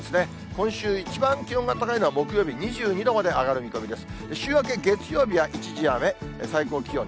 今週、一番気温が高いのは木曜日２２度まで上がる見込みです。